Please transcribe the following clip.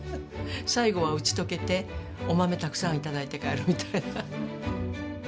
最後は打ち解けてお豆たくさん頂いて帰るみたいな。